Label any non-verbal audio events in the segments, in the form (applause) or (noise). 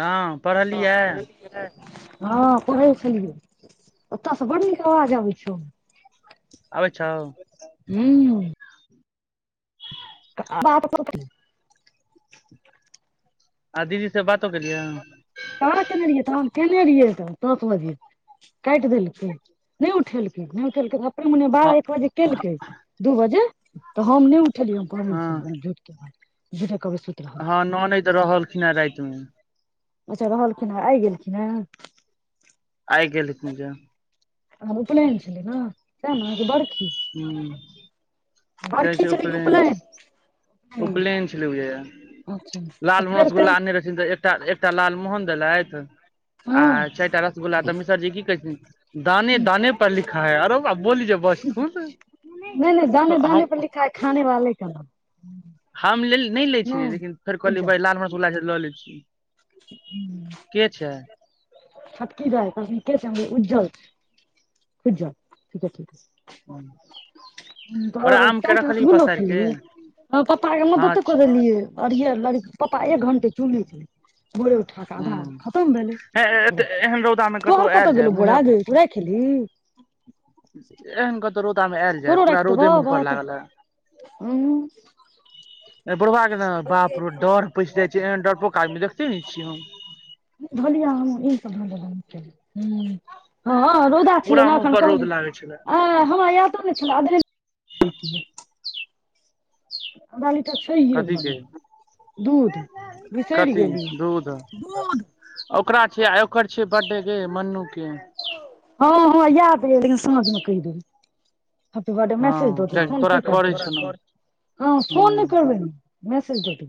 हँ पढ़लियै। हँ पढे छलियै। ओतह से बड नीक आवाज आबै छौ। आबै छौ। हूँ। हाँ बातुतुतुतु (unintelligible) आ दीदी से बातो भेलै है। कहाँ केने रहियै तहन केने रहियै तऽ दस बजगैल। काट देलखिन नहि उठेलकिन नहि उठेलक भक। मने हँ बारह एक बजे केलकै,, दू बजे तऽ हम नहि उठेलियै हम पढ़ै हँ छलियै। जेका कबसे। हँ ननैद रहलखिन हे राते मे। अच्छा! रहलखिन ह, आइ गेलखिन है। आइ गेलखिन है। आ उपनयन छलै ना, तैना की बड़खी? हूँ। कहै छे, छलै कि उपलेन, उपनयन उपलेन छलै अच्छा है। तऽ लालमोहन फेर कही रसगुल्ला अनने रहथिन तऽ, एकटा एकटा लालमोहन देलैथ। हँ अच्छा चारी टा रसगुल्ला तऽ मिशर जी की कैथीन। दाने -दाने पर लिखा है, अरो बा बोलीजे बज थून। नहि -नहि, दाने- दाने पर लिखा है, खाने वाले का नाम। हम नहि लै छियै लेकिन फेर उज्जर कहलियै, लामरसगुल्ला छी। के छै। ह की रहै त अपने उज्जल उज्जल ठीके ठी। हूँ। तऽ चारस बुल के खी प्पा के हँ मदत कऽ छै देलिय (unintelligible) अरिहे लड़ पपा एक घण्टे चुल्हीछे। आधा हूँ खतम भेले, एहन रौदा मे तोहर कतहु आयल जाय गेलो मुँहे बोरा पर गै राखी एलही। एहन कहतौ रौदामे आयल जाय, तोरो पूरा राखि देबौ रौदेमे मूहँ पर बत लागल है। उंम्म बुढ़ा के ने बाप रे डर पैस जाइ छै, एहन डरपोक आदमी देख चलै छिय हम। धोलिया हमें ओही पर धो लै छिये। हँ रौदा छलै पूरा ने मुँह एखन, पर कहल रौद लागै छलै आ हमरा यादो ने छलै, आब बाली त पैघ लोक कथी के बनू। दूध बिसरि कथी गेलीयै, दूध दूध। ओकरा छिय, आ ओकर छियै बर्थडे के मन्नूके। हँ, हँ, याद रह लेकिन समझलेइ। हैप्पी बर्थडे हँ मैसेज द देबै, कियाकि फोन तोरा के करै करतै, छौ ने ह हूँ फोन नहि करबै ने। मैसेज द द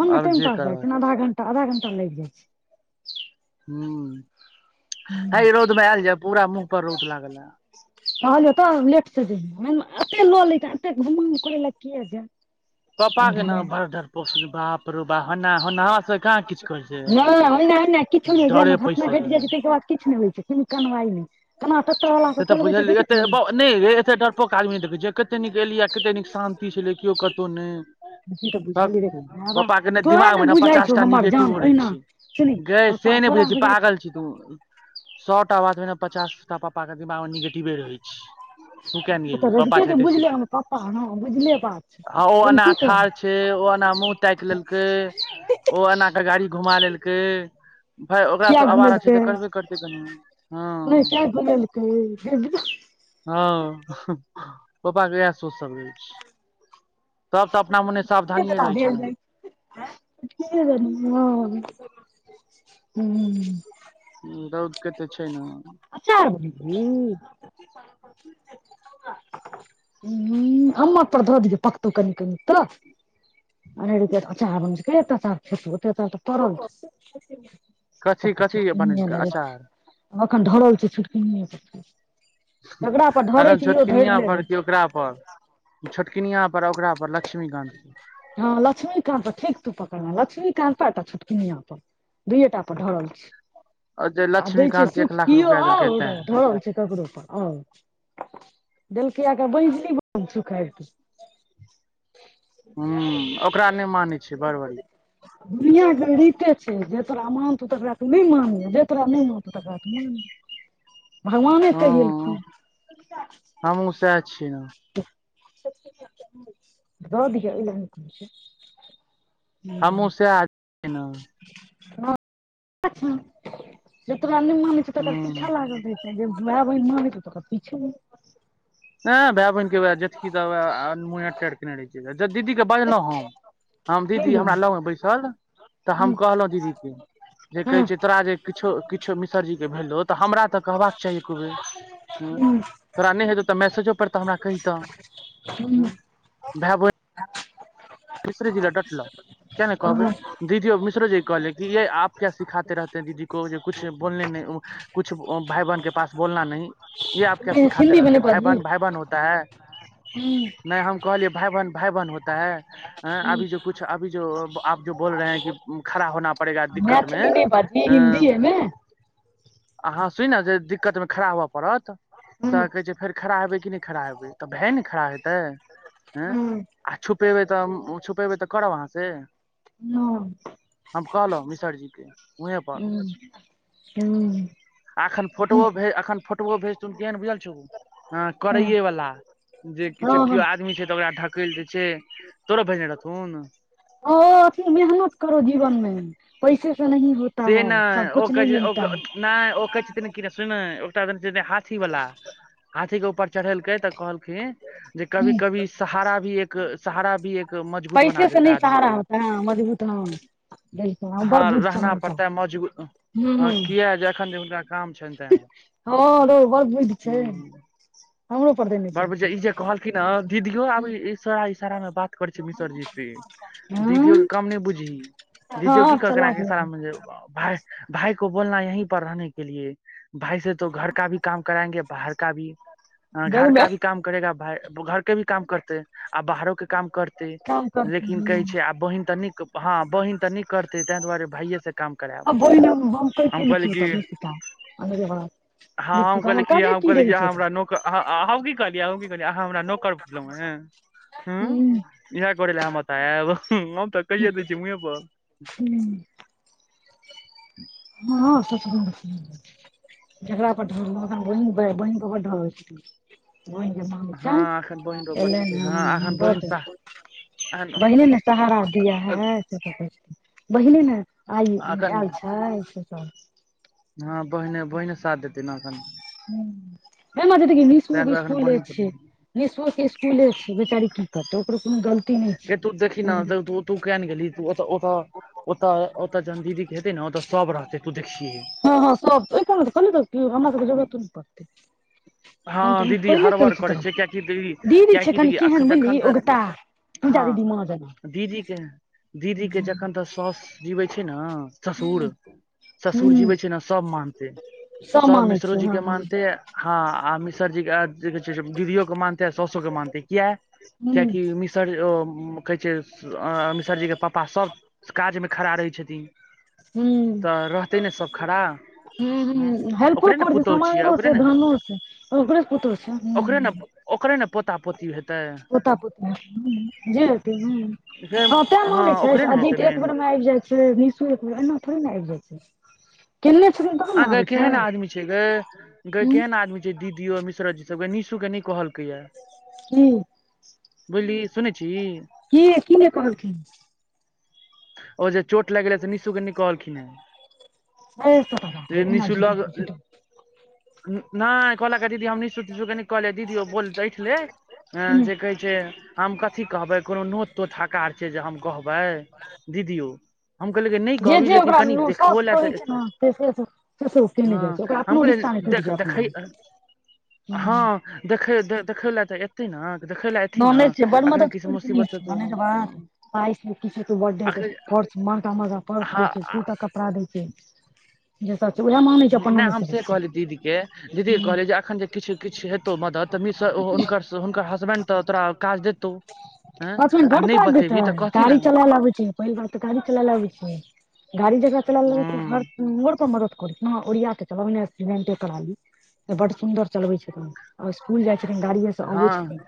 फोन मे आब टाइम जे पास भए जाइ करबक छै, आधा घंटा आधा घंटा लागि जाइ छै। हूँ। हय रौद मे हाँ। आयल जाय पूरा मुँह पर रौद लागल हे कहलियौ तऽ लेट से जेबौ, लऽ ले एते घुमा करै लए के जा। पापा के न बड़ा डरपोक बाप रे बाप होना होना सब कहाँ किछु करै छै। ओहिना नहि किछु नहिना डरे पैस घटना घटि गेल जाइ छै, ताहिके बाद किछु नहि होइ छै कोनो कारवाई नहि। केना टोटोवला से सब तऽ चलबै छै बुझलियै देखैत एते छी। नहि रे एते डरपोक आदमी नहि देखे छियै, कते नीक एलियै, कते नीक शांती, से छलै केओ कतहु नहि। से तऽ बुझलियै देख बाबा पापा के ने तोरा दिमाग ने बुझाइ छौ पचास टा हमर जान निगेटिवो रहै ओहिना छै। सुनी गइ पप्पा से नहि तोरा बुझै छीहि, बुझाइ पागल छीहि तू (inaudible) सौ टा बातमे नऽ, पचास टा पप्पा के बातमें नऽ निगेटिवे रहै छै। तू कियैने तऽ गेलही पप्पा रहिते छै, जे बुझले तैसँकि हमर पप्पा हँ बुझले बात छै ओ एहिमे एना की करबै ठार छै, ओ एना मुंह ताकि लेलकै, ओ एना के गाड़ी घुमा लेलकै। भाय ओकरा किया सभ आवारा छै घुमेलकै तऽ करबे करतै कनि हँ। (unintelligible) हँ पप्पा के इएह सोच सब रहै छै। सभ तऽ अपना मने के सावधानिये पता रहै छै भेल ने। (inaudible) रौद के तऽ छै ने (inaudible) अचार बनेलहि। (unintelligible) पर धऽ दिही पकतौ कनि। कनी त। अनेरोकेँ अचार बनबै छै (unintelligible) कथी कथी बनेलकै अचार (unintelligible) अखन डरल छै छोटनीमे पर। जकरा पर ढरे अखन छै इहो ढरले रहे छै। छोटकिनियाँ पर, ओकरा पर लक्ष्मीकान्त। हँ, लक्ष्मीकान्त पर ठीक तू पकड़ले, लक्ष्मीकांता त छोटकिनिया पर। दूएटा पर ढरल छै। जे आ दै छै लक्ष्मीकान्त एक सुख लाख किओ रुपआ देलकै आउर, तैं ढरल छै ककरो पर। ओ देलकै एकर मंझली बहिन, सुख आयबकेँ हुं, ओकरा नहि मानै छै, बढ बढिया। दुनिया के रीते छै, जे मानतो तेकरा कोइ नई मानतौ, तकरा तू नहि मानमैं जे तोरा नहि मानतो तकरा तूं मानमें। भगवाने हँ कहि एलखिन। हमहुँ सएह छियै ने (unintelligible) हमहुँ हुं। सएह छियै ने (unintelligible) तकर हूं पीछा लागल रहे छै (unintelligible) बहिन माने छौ तकर पीछे नइ। एंह भाय बहिनके हेबै, झेटकी तऽ मुंह टेढे केने रहै छै, दीदी के बाजलहुँ हट हम। हम की दीदी भेलौ हमरा लगमें बैसल, तऽ हम हँ कहलहुँ दीदीेके। जे कहै छै तोरा जे किछो किछो मिसरजी के भेलौ, तऽ हमरा तऽ कहबाक चाही एकोबेर। तोरा नहि हेतोउ तऽ मैसेजो पर तऽ हमरा कहितैं। हिन्दी भाइ-बहि (inaudible) मिसर जी लग डटलउ किया ने कहबै। दीदीयो मिश्र जी कहले कि (unintelligible) (unintelligible) (unintelligible) हूँ। नहि हम कहलियै भाइ बहन भाइ बहन (unintelligible) (unintelligible) इह नहि बाजहि अं, हिन्दीमें। अहाँ सुन अ जे दिक्कतमे खड़ा हुए पड़त, से हँ कहै छै फेर खड़ा हेबै कि नहि। खड़ा हेबै, भाई ने खड़ा हेतै, हँ आ छुपेबै तऽ छुपेबै तऽ करब अहाँ से, हम कहलहुँ मिसर जी के। (unintelligible) एखन फोटोओ भेज एखन फोटोओ भेज थुन, केहन बुझल छौ? हँ, करैए वला, जे किछो केओ आदमी छै तऽ, ओकरा ढकेल दै छै। तोरो भेजने रहथुन। ओ अथि, मेहनत ककरो जीवन मे पैसे से नही होता है, सब कुछ नै मिलता है। (unintelligible) नय ओ कहै छथिन कि, सुनुने हाथी वाला, हाथी के ऊपर। चढ़ेलकै तऽ कहलखिन जे, कभी- ह कभी सहारा भी एक हँ, सहारा भी एक मजबूत बना पैसे से देता है नहि आदमी सहारा को। होता है हाँ, मजबूत हँ बिलकुल बड़ बुद्धि रहना छलौं तऽ पड़ता है मजगूत, हँ, हूं किया जखन हँ रौ, बड़ बुद्धि छैन, हमरो पर देने बारह बजे आ छलखिन ई जे कहलखिन हँ, दीदियो आब इशारा- इशारा मे बात करै छै मिसरजी से। दीदियो हँ के कम नहि बुझही, दीदियो हँ की कहलकै चला एनाके के इसारा लेबै में जे भाय। भाइ को बोलना, यही पर रहने के लिए (inaudible) भाइ से तो घर का भी काम कराएंगे, बाहर का भी। हं बैग घर मे का भी काम करेगा भाय घरके भी काम करतै आ बाहरो के काम करतै काम करती लेकिन कहै हूँ छै आब बहिन त नै हँ बहिन त नहि करतै ताहि दुआरे भाइये से काम करायब आ वोन बनतै हम कहलियै कि ओत बीस फीफा बीस हाथ। हँ हम कहलियै कि हम कहलियै जे हमरा नोकर हम की कहलियै हम की कहलियै अहाँ हमरा नौकर बुजलहुँ हें हूँ हूं। इहे करै ले हम, एतय आएब, हम त कहिये दै व्यै मुंहे पर। हुं। हँ (unintelligible) जेकरा पर ढ़रलौं अखैन बहीन पर बड ढरल छथिन। बहीन के माम हँ एखन बहिन पर छन्हि बड़ एलैन छथिन हँ हे एखन बहिन बड साथ एखन बहिने ने सहारा दिया है। से सब कहै छथिन बहिने ने आइ एखन आयल छैथ। हँ बहिने बहिने साथ देतैन अखन। ह माजी देखही निशु ताहि के दुआरे एखन इसकुले बहिन छै। पर निशु के इसकुले छै बेचारी की करते ओकरो कोनो गलती नहि छै गै तु देखही ने तु किया ने गेलही तु ओत ओत, ओत जखन दीदी के हेतै ने ओत सब रहतै तु देखिहै। हँँ सब ओहि कारन कहलियौ ने त हमरा सबके जरूरतो नै पड़तै। हम त हँ दीदी पहिले कहै हड़बड़ छियै करै तोरा, छै कियाकि दीदी छै कियाकि कनि देखी केहन जखन बुझलिही औगताह। तु जा दीदीमा दीदीे के, दीदीे के जखन तक सौस जिबै छै ने, ससुर ससुर हुँ जीबै छै ने सभ मानतै, सब मानै मिश्रो छै जी के हँ हँ मानतै हँ आ मिसर जी के आ दीदियोे के मानतै आ सउसो के मानतेै किया हुँ कियाकि मि सर ओ कहै छै मिसरजीके पापा सब काजमे खड़ा रहै छथिन हुं। त रहतै ने सभ खड़ा। हुं ह हुं हेल्पो ओकरे ने करतै पुतहु छियै सामानो ओकरे छै ने धनो छै ओकरे पुतहु छै। नब, ओकरे ने पोता पोती हेतै। पोता जे हेतै, हं गै। हँ तें मानै छै, ओकरे ने हेतै अजीत एक मेन बेर मे आबि जाइ छै। निशू एक एना थोरी ने आबि जाइ छै। केने छलियै गप। आगै केहेन आदमी छै, गै गै हूँ केहेन आदमी छै? जे दीदी आ मिश्राजी के सब, निशू के नै कहलकैये हुं। बुझलीही सुनेै छीही। किए कि नै कहलखिन। ओ जे चोट लागि गेलै से निशुके नै कहलखिनहें। साढ़े सए टा एनारजी द (unintelligible) नहि कहलक दीदी हम निशु तिशु के नै कहलियै दीदी ओ बोल ऐंठले। ह हूँ जे कहे छै जे हम कथि कहबै कोनो नोत तोत हकार छै जे हम कहबै। दीदियो। हम कहलियै कि नहि जे कहबी जे लेकिन ओकरा कनि देखबो सबके लए होइ तऽ छै ने केने जाइ हँ छै ओकरा। हम ओहो रिस्ता न कहलियै टुटि देख जाइ अपना मे। देखय लए धरि देखय लए तऽ ए- थिन ने, तऽ देखय लए एथिन ने। ननैद छै बड़ अखने मदद किछु करथिन मुसीबत निशु हेतौ, ननैद हँ। बात पाइसँ किछ हेतैक बर्डे के अखन खर्च महंगा महंगा पर्स हँ दै छै, दू टा कपड़ा दै छै। जे सब छै उएह मानै छै ह्म अपन नहि मानै हम सकै से छै कहलियै दीदीकेँ, दीदीकेँ कहलियै, जे एखन जे किछु किछु हेतौ मदति, तऽ मिसर ओ हुनकर स् हुनकर हसबैंड तऽ तोरा काज देतौ। हँ अथि आ बड़ नहि काज बतेबही तऽ देतनि। कहथिन ने गाड़ी चलाएल अबैत छै। पहिल बात तऽ गाड़ी चलाएल अबैत छै। गाड़ी जकरा चलाएल अबैत तऽ हर हँ हमरो करैके मदति करै छथिन। हँ, ओरिआ कऽ चलाउ ई नहि एक्सीडेंटे करा ली। तऽ बड्ड सुन्दर चलबै छथिन। आ स्कुल जाइ छथिन गाड़िएसँ अबै हँ छथिन।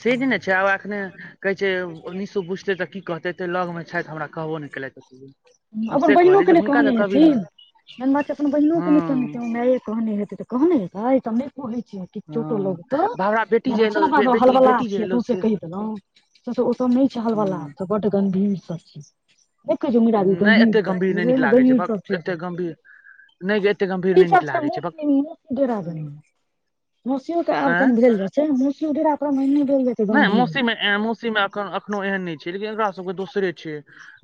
से नहि ने छै। आब एखने कहैत छै ओ निशू बुझतै तऽ की कहतै। एतेक लगमे छथि, हमरा कहबो नहि केलथि एको बेर। हम अपन से कहलियै बहिनोकेँ जे नहि हुनका तऽ कहने कभी ने हेथिन। मेन बात अपन बहिनोकेँ नहि कहने हँ हेथिन। माइए कहने हेतै तऽ कहने हेतै, तऽ हम नहि कहै छियै। कि चोटो हँ लगतहु। तो भावरा बेटी जेना जे एलौ छियै ने अपना सब बेटी हलवलाह बेटी जे छियै एलौ सौंसे से कहि देलहुँ। से सभ ओसभ नहि छै हलवलाह। हँ ओसभ बड्ड गम्भीर सभ छै। नहि कहैत छै। (unintelligible) नहि गहींर एते सभ गम्भीर छै, नहि सही नीक में लागै गहींर भक सभ छै एते ओसभ। गम्भीर नहि गे एते गम्भीर नहि नीक ईसभ छै लागै भक मुसलिम मुसलिम बेरादरीमे। हम्म। मौसीओ के आब आँय कनि भेल जाइ छै। मौसी डेरा कऽ नहि। (unintelligible) नहि मौसीमे एवं मौसीमे एक एखनो एहन नहि छै, लेकिन एकरा सबके दोसरे छै।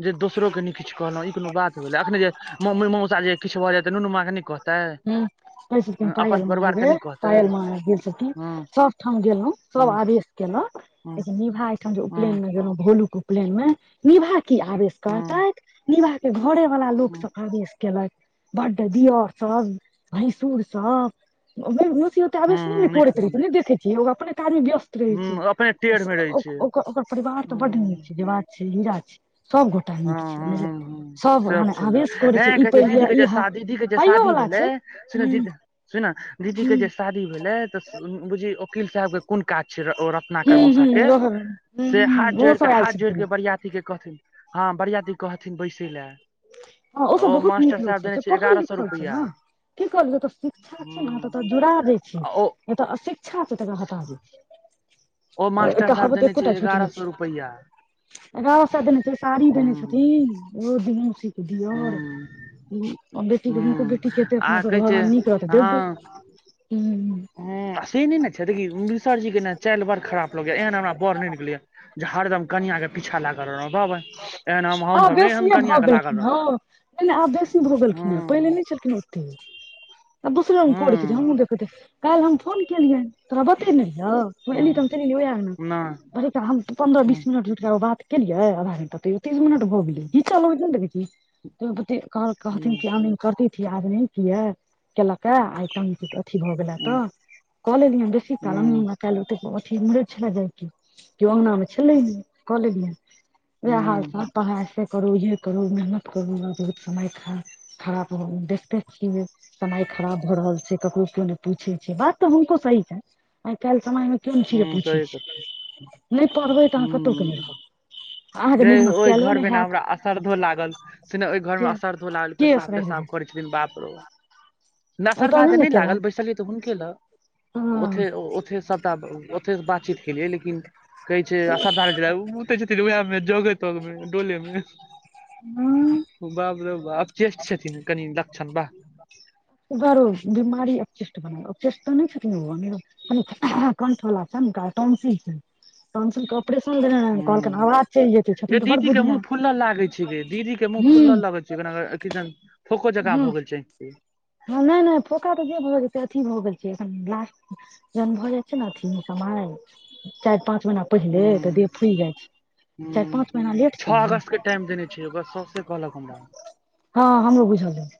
जे दोसरोकेँ नहि किछु कहलहुँ। ई कोनो बात भेलै? अखने जे मम्मी मौसा जे किछो भए जाय तऽ नुनू ममाकेँ नहि कह- ह्म, कहैत छथिन पायल के मङ्गेबै, नहि कहतै पायल (unintelligible) गेल छलखिन हँ सभठाम गेलहुँ, सब हँ आवेश केलक ए हँ से निभा एहिठाम जे हँ उपनयनमे गेलहुँ, भोलूके उपनयनमे, निभा की आवेश हँ हँ करतैथ, निभाके घरेवला लोक हँ सभके आवेश केलथि। बड्ड, दिअर सभ भैंसुरसभ। ओ मौसिओ ओतेक आवेश हँ, नीक सुनू। नहि देखै छियै, ओ अपने काजमे व्यस्त रहैत छै। हँ अपने टेढ़ मे रहै ओसभ ओ छै ओकर ओकर परिवार तऽ बड्ड हँ नीक छै, जे बात छै, हीरा छै। सभ गो- गोटे हँ नीक छै। हँ मने हँ हँ, सब मने सुनी आवेश करै हे छै ई कहै पहिर दीदी लिअ के जे ई शादी दीदी के जे पाइयो शादी वला भेलै छै सुन हूँ दीदी सुन न हूँ दीदीके जे शादी भेलै तऽ स् उम्म बुझही ओकील साहबके कोन काज छै र् ओ रत्नाकर हूँ मौसाके हूँ रहल हूँ से हाथ हूँ ओहो जोड़ि सब कऽ आयल हाथ जोड़ि छलखिन कऽ बरियातीकेँ कहथिन हँ बरियातीकेँ कहथिन बैसय लए। हँ ओसभ ओ बहुत नीक मास्टर साहेब लोकसभ देने छै, एगारह सए पढ़ल-लिखल छै रुपैआ ने। की करू ओकर शिक्षा छै ने अहाँकेँ हूँ तऽ जोड़ा दैत छी। ओ एतऽ अशिक्षा छै, तकरा हटा दैत छी। ओ तऽ मास्टर साहेब कहावत देने एक्को छै टा झूठ नहि एगारह सए रुपैआ छै। (unintelligible) सभ देने छै, साड़ी देने हूँ छथिन। ओ दुनू दिअर, हूँ अ बेटीकेँ हुनको हूँ बेटीेकेँ हेतै आ अपना सबके कहै छै भगवान नीक रहतै तऽ देबै। ह्म। ह्म, आ से नहि ने छै, देखही मिसर जीके ने चालि बड़ खराब लगैए। एहन हमरा बर नहि नीक लगैए। जे हरदम कनिआँके पीछा लागल रहबह बाँय। आब बेसिए भऽ गेलखिन हँ रहब नहि नहि, आब बेसी भऽ गेलखिन हेँ, पहिनेे हँ नहि छलखिन ओतेक। आब दोसरे रङ्ग करैत छथिन, हँ हमहुँ देखैत काल्हि हम फोन केलियनि तोरा बतेने रहिऔ? तों हँ एलही तऽ हम चलि गेलियै ओहि अङ्ग ना। नहि (unintelligible) हम ह पन्द्रह-बीस मिनट (unintelligible) बात केलियै आधा घंटा तैओ। तीस मिनट भग गेलै ई च होत ने तै त क कहथिन की आने करती थी आज नही की है, केलक ये आए। तंग छैय अथी भऽ गेला तऽ कॉलेज में बेसी ह काल काल ओतेक अथी मर छल जाके अंगना मे छलै ने कॉलेज में इएह हाल ह चाल पढ़ाइसे करू इहे करू मेहनत करूत समय खा खराब हो देखते छिये। समय खराब भऽ रहल छैय, ककरो केओ नहि पूछे छैय, बात तऽ हुनको सही छनि आइ काल्हि समय मे कोन चिज जे ह पूछै सही कह छैय नहि पढ़बै तऽ अहाँ कतहुके नै रहबै। जे ओहि घरमे ने हमरा असरधो लागल। से ने ओहि घर मे किया असरधो लागल केस पेशाब रहि तेशाब गेल करे। दिन बाप रो ना ओतऽ सरधा तऽ ने नहि लागल केलनि बैसलियै तऽ हुनके लग। हँ ओथे ओथे सभटा ओथे बातचीत केलिये लेकिन कहै छैय असरधार ओ बते छथिन उह मे जगे तगं डोले मे बाप रे बा अपचेष्ट छथिन कनि लक्षण बा त बर बीमार अपचेस्ट बनाब अचे तऽ नहि छथि ओ अनेरो कंठ वला छैन हुनका टोंसिल छैन, टोंसिल कफ हूँ छथिन गे तऽ बड़ दीदी के मुँह बुधिया फुलल लागे छैय गे, दीदी के मुँह फुलल हूँ लगै (unintelligible) फोको जका हँ भ गेल छैय। हँ नहि नहि फोखा तऽ जे भऽ गेल से अथी भऽ गेल छैखन लास्ट जहन भऽ जाइ छैय ने अथी समय चारि पाँच महीना पहिले तऽ देह फूइल जाइ छैय। ह छह अगस्त के टाइम देने छैय, ओकर सॉस कहलक हमरा हँ हमरो बुझल रहे।